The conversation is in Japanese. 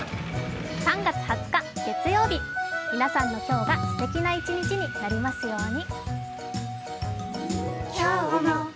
３月２０日月曜日皆さんの今日がすてきな一日になりますように。